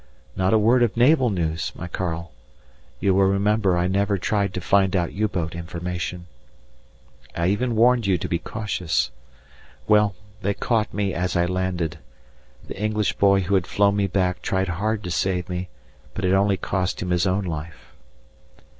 Not a word of naval news, my Karl; you will remember I never tried to find out U boat information. I even warned you to be cautious. Well, they caught me as I landed; the English boy who had flown me back tried hard to save me, but it only cost him his own life.